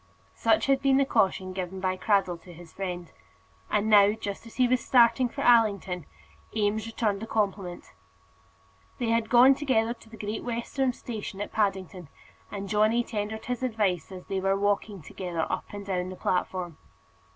Such had been the caution given by Cradell to his friend. And now, just as he was starting for Allington, Eames returned the compliment. They had gone together to the Great Western station at Paddington, and Johnny tendered his advice as they were walking together up and down the platform.